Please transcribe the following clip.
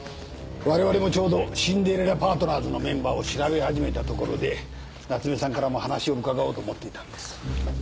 われわれもちょうどシンデレラパートナーズのメンバーを調べ始めたところで夏目さんからも話を伺おうと思っていたんです。